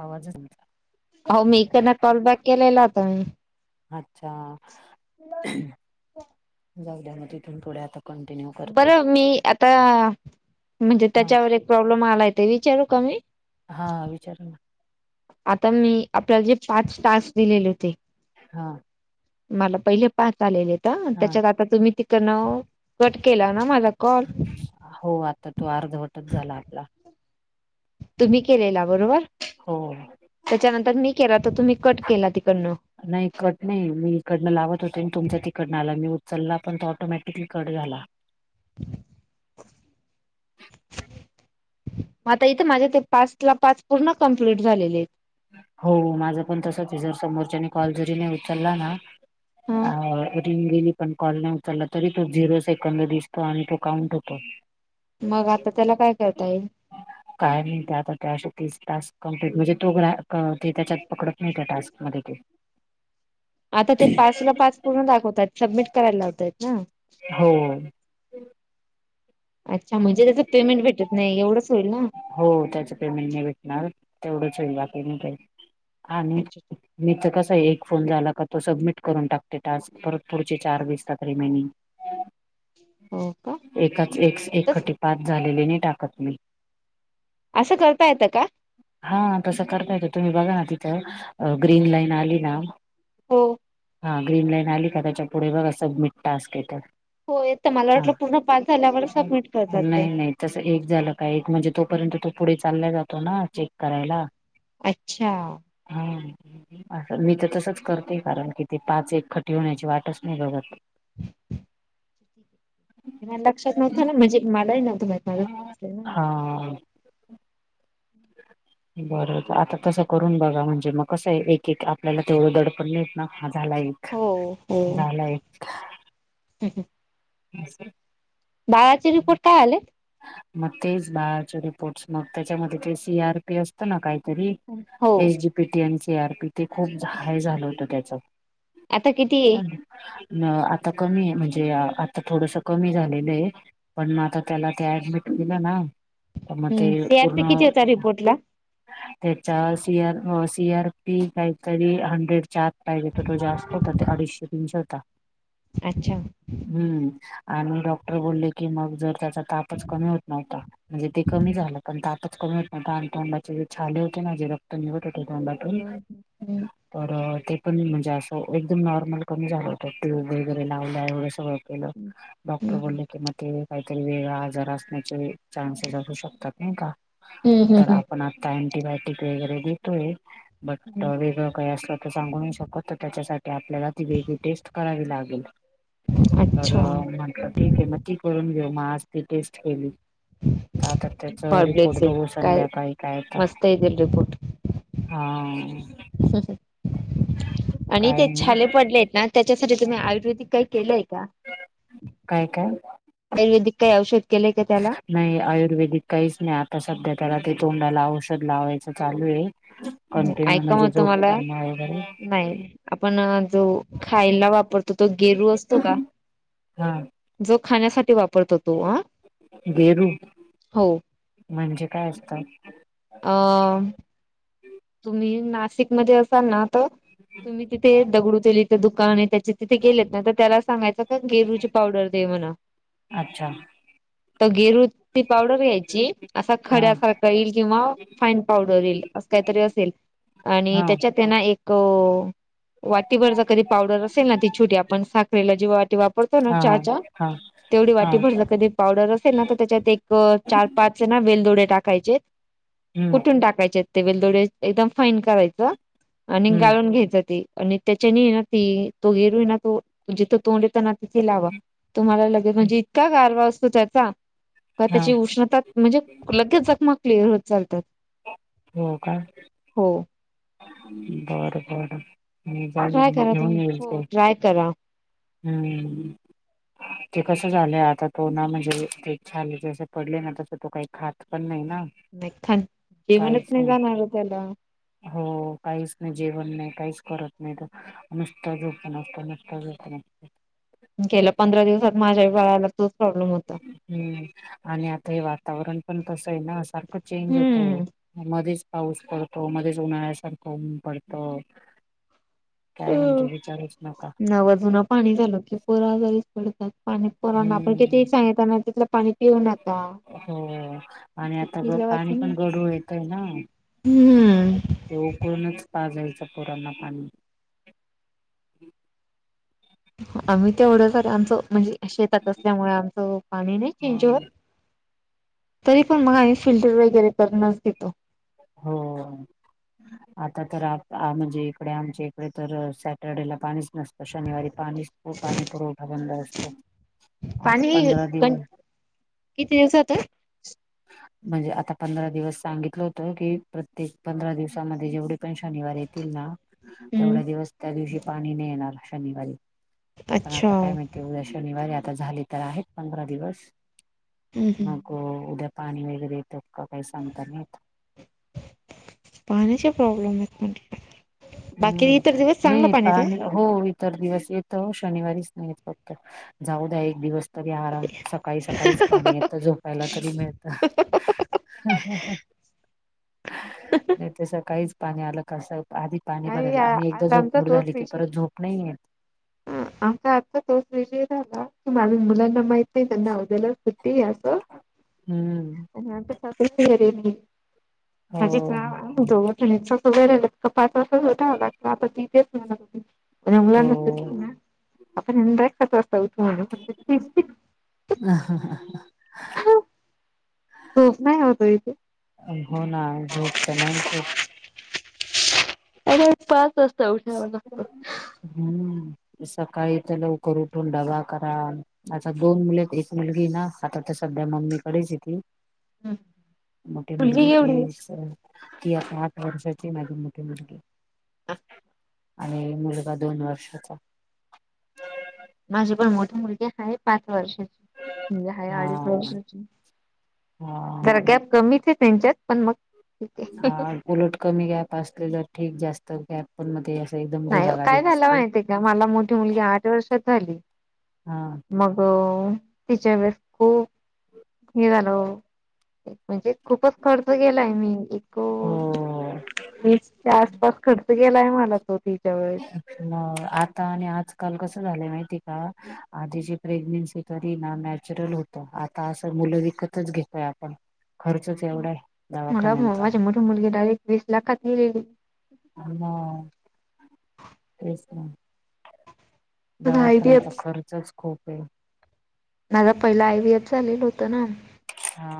आवाज तुमचा अहो मी त्यांना कॉल बॅक केलेला होता मी. अच्छा जाऊद्या मग तथून पुढे आता कंटिन्यू करते बरं मी आता म्हणजे हा त्याच्यावर एक प्रॉब्लेम आलाय ते विचारू का मी? हा विचार ना! आता मी आपल्याला जे पाच तास दिलेले होते. हा! मला पहिले पा आलेले तर हा त्याच्यात आ आता तुम्ही तिकडन कट केला ना माझा कॉल हो आता तो अर्धवटच झाला आपला. तुम्ही केलेला बरोबर? हो! त्याच्यानंतर मी केला तर तुम्ही कट केला तिकडनं. नाही कट नाही मी इकडनं लावत होते आणि तुमच्या तिकडनं आला मी उचलला पण तो ऑटोमॅटिकली कट झाला. [inaudible] मग आता इथं माझ्या ते पाच ला पाच पूर्ण कम्प्लीट झालेले आहेत. हो माझं पण तसच आहे जर समोरच्या कॉल जरी नाही उचलला ना हा रिंग गेली, पण कॉल नाही उचलला तरी तो झिरो सेकंद दिसतो आणि तो काउंट होतो. मग आता त्याला काय कळता येईल? काय नाही ते आता त्याशी तीस तास्क कमप्लीट म्हणजे तो ग्रा ते त्याच्यात पकडत नाहीत्या टास्कमध्ये ते आता ते पाच ला पाच पूर्ण दाखवतयत सबमिट करायला लावतात ना हो अच्छा म्हणजे त्याचं पेमेंट भेटत नाही एवढंच होईल ना हो त्याच पे मी नाही भेटणार तेवढंच होईल बा आपे मी काही आणि अच्छा अच्छा. मीच कसं आहे एक फोन झाला का तो सबमिट करून टाकते टास्क परत पुढचे चार दिसतात रिमाइडिंग हो का एकाच एस एक तस कटी पाच झालेलीने टाकत नाही असं करता येतं का हा तसं करता येतो तुम्ही बघा ना तिथं ग्रीन लाईन आली ना हो हा ग्रीन लाईन आली का त्याच्या पुढे बघा सबमिट टास्क येत हो य तर मला वाटलं पूर्ण पास झाल्यावर सबमिट कर जातय तस एक झालं का एक म्हणजे तोपर्यंत तो पुढे चालला जातो ना चेक करायला अच्छा हा अस मी तर तसंच करते कारण किती पाच एक खटी होण्याची वाटच नाही बघ ला लक्षात नव्हतं ना म्हणजे मलाही नव्हतं मा माझा फस ना हा बरं आता तसं करून बघा म्हणजे मग कसं आहे एक एक आपल्याला तेवढं दडपण नाहीेत ना हा झालाही हो हो झाला एक ह्र दााचेचे रपोरट काय आले मग तेच बाळाचे रिपोर्टस मग त्याच्यामध्ये ते सी आर पीस ना काहीतरी हो एसडीपी टी आणि सी आरपी तेी खूप हाय झालं होत त्याच आता किती अ आता कमी आहे म्हणजे आ थोडसं कमी झालेलं आहे पण मग आता त्याला ते ऍडमिट केलं ना म ते सीआरपी पूर्ण किती होता रिपोर्टला त्याचा C R C R P काहीतरी हंड्रेड च पाहिजे पटो जास्त होता ते अडीचशे तीनशे होता अच्छा हम्म आणि डॉक्टर बोलले कि मग जर त्याचा तापच कमी होत नव्हता म्हणजे ते कमी हम्म झालं पण तापच कमी होत नव्हता आणि त छले होते नाझे रक्त निवट होत होतटून हम्म तर ते पण म्हणजे असं एकदम नॉर्मल कमी झालं होतं ट्यूब वगैरे लावलं एवढं सगळं केलो डॉक्टर हम्म बोलक म काहीतरी वेगळा आजार असण्याचे चान्सेस असू शकतात नाही का हम् हम् तर हम आपण आता अंटीबायोटिक वगैरे देतोय बट हम्म. वेगळं काही असत सांगून शकत तर त्याच्यासाठी आपल्याला ती वेगळी टेस्ट करावी लागेल तर अच्छा म्ह ठीक आहे म ती करून घेऊ मग आज ती टेस्ट केली सातत्याच गॉड ब्लेस रिपोर्ट यू बघू काय संध्याकाळी काययता मस्त येतील हा स आणि काय ते नाही, छाले पडले आहेत ना त्याच्यासाठी तुम्ही आयुर्वेदिक काही केलंय का काय काय आयुर्वेदिक काही औषध केलंय का त्याला नाही आयुर्वेदिक काहीच नाही आता सध्या त्याला ते तोंडाला औषध लावायचं चालू आहे हम ऐका मत मला नाही आपण जो खायला वापरतो त तो गेरू असतो का. हा. जो खाण्यासाठी वापरतो. तो अ गेरू, हो म्हणजे काय असतात? आ. तुम्ही नाशिकमध्येध्ये असाल ना तर. तुम्ही तिथे दगडू ते इथं दुकान आहे त्याचे तिथे गेलेत ना तर त्याला सांगायं गेरु. पावडर दे म्हणा. अच्छा! तर गेरूची पावडर घ्यायची असा हा खड्यासारख. येईल किंवा फाईन पावडर येईल असं काहीतरी असेल आणि हा त्याच्यात त्यांना एक. अ वाटीवरचा कधी पावडर असेल ना ती छोटी आपण साखरला जेव्हा वाटी वा. पडतो ना हा चहा हा च हा तेवढी हा वाटी भरत कधी. पावडर असेल ना तर त्याच्यात एक चार-पाच ना वेलदोडे टाकायचे. हम्म कुठून टाकायचे आहेत ते वेलदोडे एकदम फाईन करायचं. आणि हम्म गाळून घ्यायचं ते. आणि त्याच्याने ना ती तो गेरू आहे ना तो जिथं तोंड येत ना तिथे लावा. तुम्हाला लगेच म्हणजे इतका गारवा असतो त्याचा का हा त्याची उष्णता म्हणजे. लगेचकमकली हो चालतात. हो का? हो. बर बर ट्राय मोबाईल करा घेऊन तुम्ही येईल हो त. [inaudible] ट्राय करा. हम्म. ते कसं झालं आता तो ना म्हणजे ते छले ज पडले ना तस तो काही खात पण नाही ना. नाही खान जेवणच नाही जाणार त्याला. हो. काहीच नाही जेवण नाही काहीच करत नाही तर नुसताच झोप न असतो नुसताचत. गेल्या पंधरा दिवसात माझ्या बाळाला तोच प्रॉब्लेम होता. हम्म आणि आता हे वातावरण पण तसं आहे ना सारखं. चेंज होतो हम्म. मध्येच पाऊस पडतो मध्येच उन्हाळ्यासारखंऊन पडत. काय म्हणते विचारच नका. नवधुून. पाणी झालं की पोरा आजारीच पडतात. पाणी पुरवण आपण किती हम्म सांगितताना तिथलं पाणी पिऊ न आता. हो आणि आता पाणी पण गडू येत आहे ना. तर हम्म. ते उकळूनच पा जाायच पुोरांना पाणी. आम्ही तेवढं कर आमचं म्हणजे. शेतात असल्यामुळे आमचं पाणी नाही चेंज होत. हो. [inaudible] तरी पण मग आम्ही फिल्टर वगैरे करणच देतो. हो. आता तर म्हणजे इकडे आमच्या इकडे तर सॅटरडेला पाणी. नसत शनिवारी पाणी पाणी पुरवठा बंद असतो. [inaudible] पाणी पंधरा दिवस किती दिवसात. म्हणजे आता पंधरा दिवस सांगितलं होत कि प्रत्येक पंधरा दिवसामध्ये जेवढे. पण शनिवार येतील ना हम्म तेवढ्या दिवस त्या दिवशी पाणी नाही येणार शनिवारी. पण अच्छा आता काय हम्म माहिती आहे उद्या शनिवारी आता झाली तर आहेत पंधरा दिवस. हम्म मग उद्या पाणी वगैरे येतं का काही सांगता नाही येत. [inaudible] पाण्याचे प्रॉब्लेम आहेत म्हट. [inaudible] बाकी हम्म इतर दिवस चांगलं नाही पाणीे येते. पाणी हो इतर दिवस येतो शनिवारीच, नाही येत फक्त जाऊ द्या एक दिवस तरी आराम सकाळी, सकाळीच पाणी येतं झोप त प्यायला तरी मिळत. नाही ते सकाळीच पाणी आलं कसं पै आधी पाणी भरायला आ- आणि एकदा आज झोप आमचा मोड, झाली की परत झोप नाहीे येत. आमता आता तोच विजय झाला की माझ्या मुलांना माहित नाही त्यांना उदयाला सुट्टी असं हम्म सत घर माझेच हो नाव [unintelligible] दवाखाण्या [unintelligible] आता तिथेच मुला हो आपण खच वा असत उत म्हणून [unintelligible] ह हा ह ह [unintelligible] ह. तोफ नाही होतो हो इथे. हो ना झोप त नाहीच होत. रोज पाच वाजता उठावा लागतो. हम्म सकाळी त लवकर उठून डबा करा. आता दोन मुले आहेत एक मुलगी हे ना, आता तर सध्या मम्मीकडेच ती. मोठे मुलगी ती स ती आता आठ वर्षाची माझी मोठीे मुलगी. आणि मुलगा दोन वर्षाचा. माझी पण मोठी मुलगी स आहे पाच वर्षाची, मुलगा आहे हा अडीच वर्षाचा. हा जरा गॅप कमीच आहे त्यांच्यात पण मग ठीक आहे हा उलट कमी गॅप असलेल ठीक जास्त गॅप पण मध्ये एकम. नाही काय झालं माहितीय, का मला मोठी मुलगी आठ वर्षात झाली. हा मग तिच्या हे खूप हे झालं हो. म्हणजे खूपच खर्च केलाय मी हो वीसच्या आस पास खर्च केलाय मला तो तिच्या वेळेस. म आता आणि आजकाल कसं झालंय माहिती का, आधीची प्रेग्नेन्सी तरी ना, नॅचरल होतं आता असं मुलं विकतच घेतोय आपण. खर्च च एवढा आहे मला दवाखान्यांचा. माझी मोठी मुलगी डारेक्ट वीस लाखात गेलेली [unintelligible] आत म [unintelligible] तेस ना, माझा दवाखान्याचा आयव्हीएफ खर्चच खूप हे. माझापहिला आय वही एफ चालेलं होतं ना, हा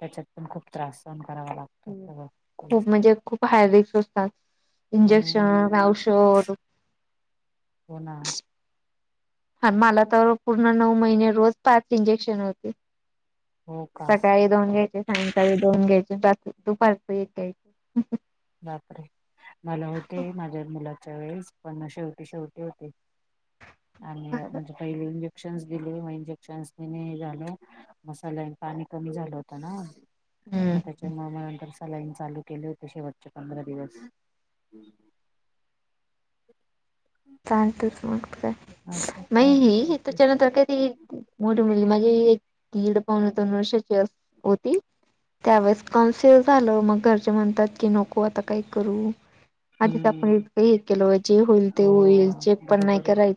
त्याच्यात पण खूप त्रास सहन करावा लागतो. सगळं तेच. खूप म्हणजे खूप हायरिकस्स असतात हम्म. इंजेक्शन औषध हो ना, आण मला तर पूर्ण नऊ, महिने रोज पाच इंजेक्शन होते हो का सकाळी दोन घ्यायचे संध्याकाळी दोन घ्यायचे [unintelligible] दुपारप एक घ्यायचे. बापरे मला होते माझ्या मुलाच्या वेळेस पण शेवटी, शेवटी होते. आणि म्हणजे पहिले इंजक शंक्स दिले म इंजेक्शन दिने झालं म सलाईन पाणी कमी झालं होत ना, हम्म. म त्याच्या मुळ म नंतर सलईन चालू केले होते शेवट. त पंधरा दिवस. [unintelligible] चाांतच मग का असं काय नाही हे होते. तेच्य नंतर. मोठी मुलगी म्हणजे दीड पाव ने दोन वर्षाची अस होती. त्या वेळेस कॉन्फ्युज झालं मग घरचे म्हणतात. की नको आता काही करू आधीच, आपण इ हम्म हे केलं जे होईल ते हो होईल चेक पण नाही बरोबर आहे करायच,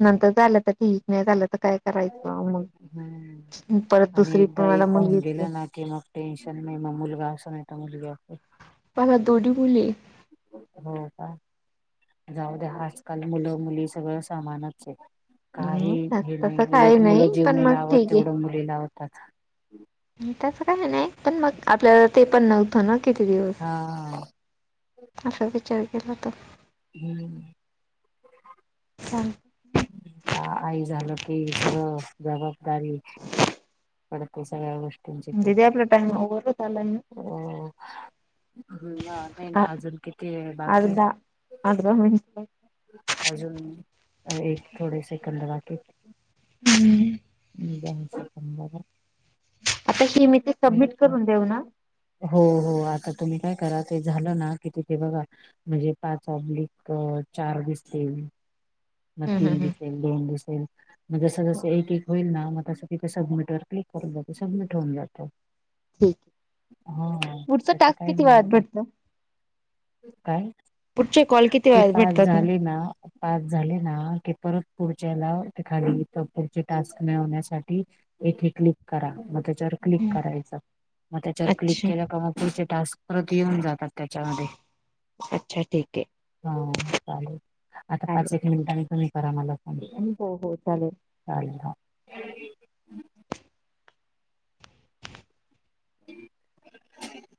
नंतर झालं तर ठीक नाही झालं. काय करायचं हम्म. मग परत आणि दुसरी पण एकदा मला एक होऊन मुलगिच.. गेलं ना की मग टेन्शन नाही मग मुलगा असं नाही तर मुलगी असो. हो हो दोनी मुली. हो का जाऊ द्या आजकाल मुलं मुली सगळं सामानच आहे. काही आहे. हे तसं नाही काही उलट मुलं नाही जीव पण नाय मग लावत ठीक आहे. तेवढं मुली लावतात. तसं काय नाही पण मग आपल्याला ते पण नव्हतं ना किती दिवस? हा असा विचार केला तर. हम्म. ह. आई झालं की सगळं जबाबदारी... पडते सगळ्या गोष्टी... [unintelligible] नाही ना अजून किती वेळ बाकी [unintelligible] [unintelligible] अजून एक थोडे सेकंद बाकी. रिकामा ऑडिओ [unintelligible] [unintelligible] ते सबमिट करून देऊ ना हो हो आता तुम्ही काय करा ते झालं ना कि तिथे बघा.. म्हणजे पाच ऑब्लिक चार दिसतील. मग हम् तीन हम हम दिसतील, दोन दिसतील, मग जस जसं एक एक होईल ना मग तस... त सबमिट वर क्लिक करून जातो सबमिट होऊन जातं. ठीक हा पुढचा त्याच टास्क काही किती नाही वेळात एवढं. भेटत? काय पुढचे कॉल किती ते वेळात पाच भेटतात मग झाली ना.... झाले ना क परत पुढच्याला ते खाली पुढचे टास्क मिळवण्यासाठी... एक क्लिक करा मग त्याच्या क्लिक हम्म करायचं मग त्याच्यावर क्लिक अच्छा केलं का मग पुढचे टास्क परत येऊन जातात. त्याच्यामध्ये अच्छा ठीक आहे ह चालेल आता. चालेल मिनिटांने तु्ही करा मला हो हो चालेल [unintelligible] चालेल. रिकामा ऑडिओ